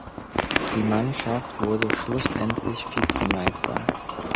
Die Mannschaft wurde schlussendlich Vizemeister.